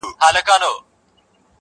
گراني په تا باندي چا كوډي كړي~